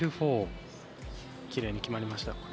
きれいに決まりました。